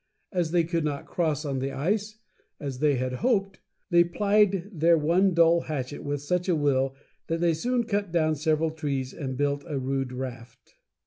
As they could not cross on the ice, as they had hoped, they plied their one dull hatchet with such a will that they soon cut down several trees and built a rude raft.